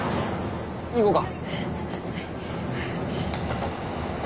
行こか。